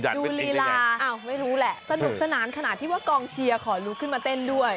ลีลาไม่รู้แหละสนุกสนานขนาดที่ว่ากองเชียร์ขอลุกขึ้นมาเต้นด้วย